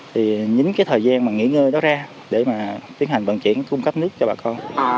thì chính cái thời gian mà nghỉ ngơi đó ra để mà tiến hành vận chuyển cung cấp nước cho bà con